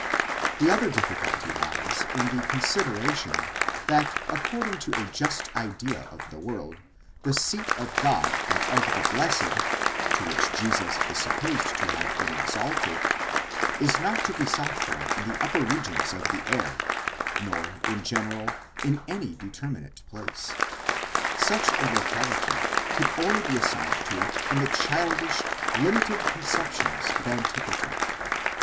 The other difficulty lies in the consideration, that accord ing to a just idea of the world, the seat of God and of the blessed, to which Jesus is supposed to have been exalted, is not to be sought for in the upper regions of the air, nor, in general, in any determinate place ;—such a locality could only be assigned to it in the childish, limited conceptions of antiquity.